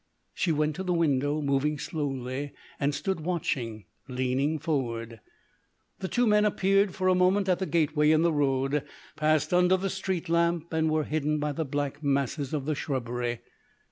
She went to the window, moving slowly, and stood watching leaning forward. The two men appeared for a moment at the gateway in the road, passed under the street lamp, and were hidden by the black masses of the shrubbery.